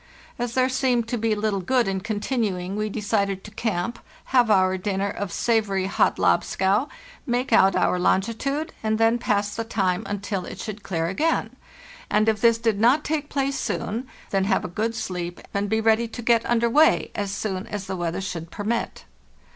As there seemed to be little good in con tinuing, we decided to camp, have our dinner of savory hot lobscouse, make out our longitude, and then pass the time until it should clear again; and if this did not take place soon, then have a good sleep and be ready to get under way as soon as the weather should permit.